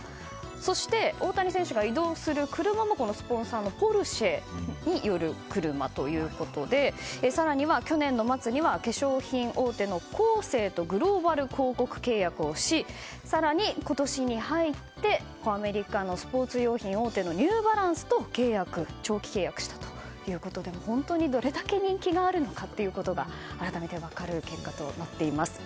そして、大谷選手が移動する車もこのスポンサーのポルシェによる車ということで更には去年の末には化粧品大手のコーセーとグローバル広告契約をし更に今年に入ってアメリカのスポーツ用品大手のニューバランスと長期契約したということで本当にどれだけ人気があるのかということが改めて分かる結果となっています。